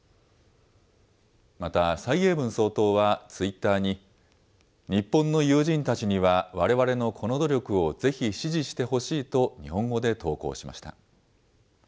また、蔡英文総統はツイッターに、日本の友人たちには、われわれのこの努力をぜひ支持してほしいと日本語で投稿しました。